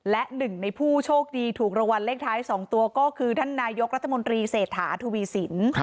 และหนึ่งในผู้โชคดีถูกรางวัลเลขท้าย๒ตัวก็คือท่านนายกรัฐมนตรีเศรษฐาทวีสิน